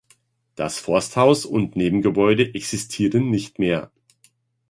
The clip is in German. Das Forsthaus und Nebengebäude existieren nicht mehr.